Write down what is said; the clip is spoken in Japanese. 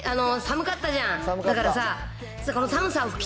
寒かったじゃん。